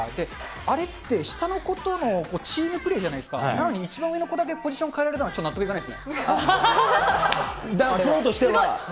あれって、下の子とのチームプレーじゃないですか、なのに一番上の子だけ、ポジション替えられたのは、ちょっと納得いかないですね。